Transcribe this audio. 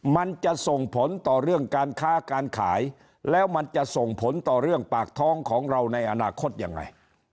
มันจะส่งผลต่อเรื่องการค้าการขายแล้วมันจะส่งผลต่อเรื่องปากท้องของเราในอนาคตยังไง